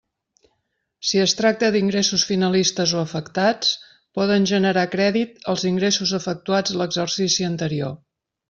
Si es tracta d'ingressos finalistes o afectats, poden generar crèdit els ingressos efectuats l'exercici anterior.